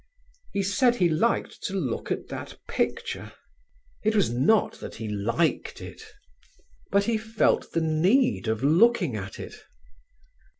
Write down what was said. He said he liked to look at that picture; it was not that he liked it, but he felt the need of looking at it.